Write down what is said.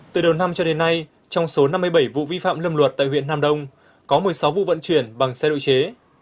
từ đầu năm cho đến nay trong số năm mươi bảy vụ vi phạm lâm luật tại huyện nam đông có một mươi sáu vụ vận chuyển bằng xe độ chế